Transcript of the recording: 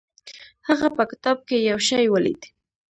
هغه په کتاب کې یو شی ولید.